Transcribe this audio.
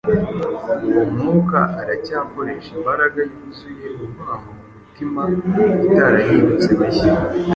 uwo mwuka uracyakoresha imbaraga yuzuye urwango mu mitima itarahindutse mishya.